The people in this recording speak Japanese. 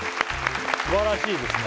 すばらしいですね